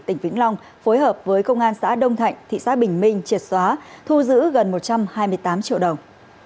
tỉnh vĩnh long phối hợp với công an xã đông thạnh thị xã bình minh triệt xóa thu giữ gần một trăm hai mươi tám triệu đồng